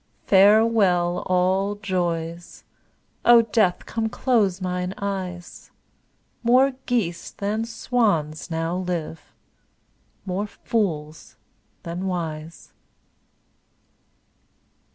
Farewell, all joys; O Death, come close mine eyes; More geese than swans now live, more fools than wise.